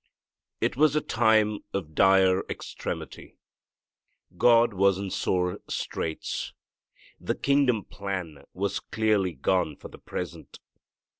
It was a time of dire extremity. God was in sore straits. The kingdom plan was clearly gone for the present.